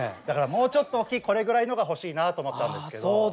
だからもうちょっと大きいこれぐらいのが欲しいなと思ったんですけど。